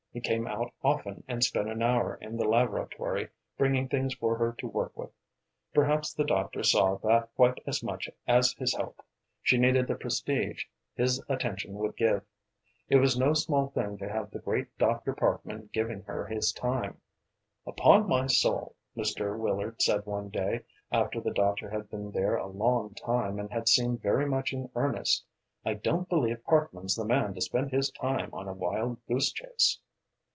He came out often and spent an hour in the laboratory, bringing things for her to work with. Perhaps the doctor saw that quite as much as his help, she needed the prestige his attention would give. It was no small thing to have the great Dr. Parkman giving her his time. "Upon my soul," Mr. Willard said one day, after the doctor had been there a long time and had seemed very much in earnest, "I don't believe Parkman's the man to spend his time on a wild goose chase!"